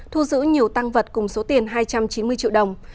thu giữ nhiều tăng vật cùng số tiền hai trăm chín mươi triệu đồng